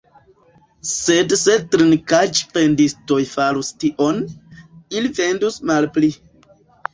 Sed se drinkaĵ-vendistoj farus tion, ili vendus malpli.